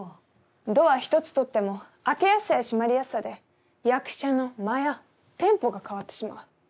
ドア１つ取っても開けやすさや閉まりやすさで役者の間やテンポが変わってしまう。